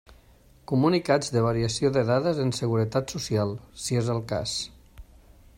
Comunicats de variació de dades en Seguretat Social, si és el cas.